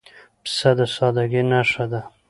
پسه د سادګۍ نښه ده.